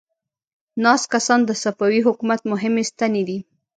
ناست کسان د صفوي حکومت مهمې ستنې دي.